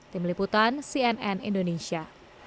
tim liputan cnn indonesia